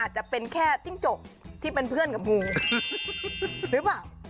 หรือเปล่า